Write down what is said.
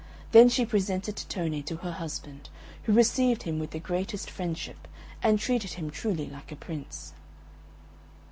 Then she presented Tittone to her husband, who received him with the greatest friendship, and treated him truly like a Prince.